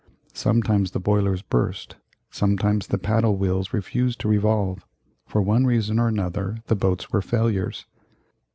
Sometimes the boilers burst. Sometimes the paddle wheels refused to revolve. For one reason or another the boats were failures.